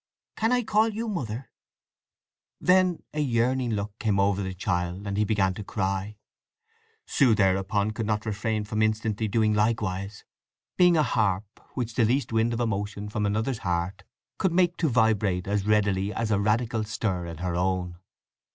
Can I call you Mother?" Then a yearning look came over the child and he began to cry. Sue thereupon could not refrain from instantly doing likewise, being a harp which the least wind of emotion from another's heart could make to vibrate as readily as a radical stir in her own.